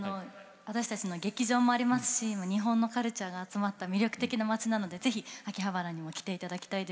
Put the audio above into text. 私たちの劇場もありますし日本のカルチャーが集まった魅力的な街なのでぜひ秋葉原にも来ていただきたいです。